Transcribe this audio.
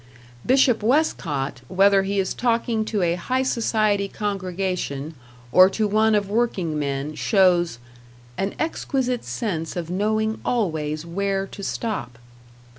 Bishop Westcott, whether he is talking to a high society congregation, or to one of workingmen, shows "an exquisite sense of knowing always where to stop."